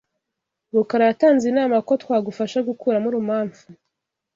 Rukara yatanze inama ko twagufasha gukuramo urumamfu.